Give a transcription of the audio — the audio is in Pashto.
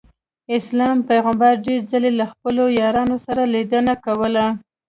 اسلام پیغمبر ډېر ځله له خپلو یارانو سره لیدنه کوله.